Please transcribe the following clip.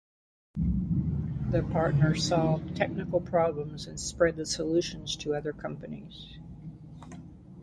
The partners solved technical problems and spread the solutions to other companies.